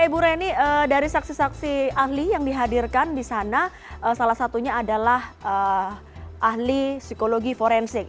ibu reni dari saksi saksi ahli yang dihadirkan di sana salah satunya adalah ahli psikologi forensik